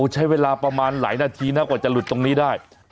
ใช้เวลาประมาณหลายนาทีนะกว่าจะหลุดตรงนี้ได้